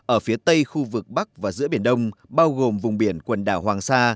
ở phía tây khu vực bắc và giữa biển đông bao gồm vùng biển quần đảo hoàng sa